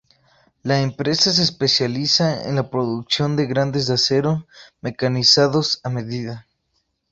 La empresa se especializa en la producción de grandes de acero mecanizados a medida.